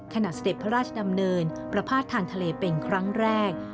เสด็จพระราชดำเนินประพาททางทะเลเป็นครั้งแรก